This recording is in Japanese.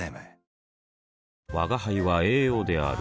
吾輩は栄養である